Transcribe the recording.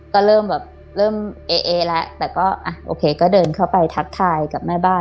ก็เริ่มแบบเริ่มเอแล้วแต่ก็อ่ะโอเคก็เดินเข้าไปทักทายกับแม่บ้าน